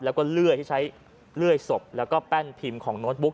แล้วก็เลื่อยที่ใช้เลื่อยศพแล้วก็แป้นพิมพ์ของโน้ตบุ๊ก